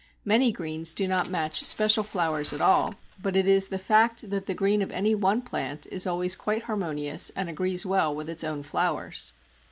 Many greens do not match special flowers at all, but it is the fact that the green of any one plant is always quite harmonious, and agrees well with its own flowers!